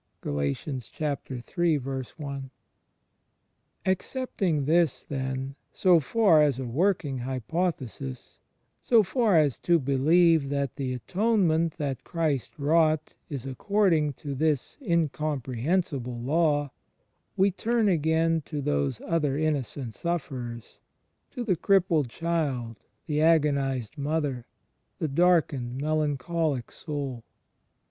Accepting this, then, so far as a working hypothesis — so far as to believe that the Atonement that Christ wrought is according to this incomprehensible law — we turn again to those other innocent sufferers — to the crippled child, the agonized mother, the darkened melancholiac soul.